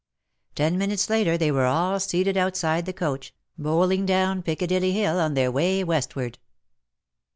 Ten minutes later they were all seated outside the coach, bowling down Piccadilly Hill on their way westward.